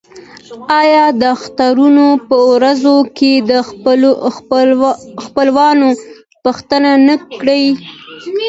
آیا د اخترونو په ورځو کې د خپلوانو پوښتنه نه کیږي؟